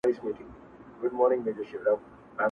په سړو کي فرق دئ، څوک لال وي، څوک کوټ کاڼی.